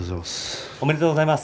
おめでとうございます。